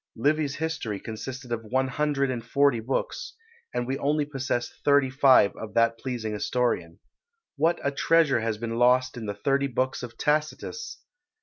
Livy's history consisted of one hundred and forty books, and we only possess thirty five of that pleasing historian. What a treasure has been lost in the thirty books of Tacitus!